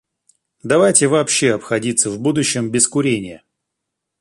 Давайте вообще обходиться в будущем без курения.